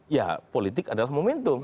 ya politik adalah momentum